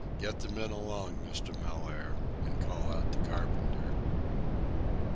"Get the men along, Mr. Mellaire, and call out the carpenter."